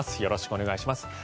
よろしくお願いします。